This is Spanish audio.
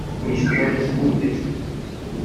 ¡ mi historia es muy triste!